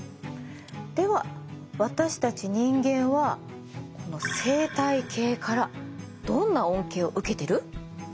では私たち人間はこの生態系からどんな恩恵を受けてる？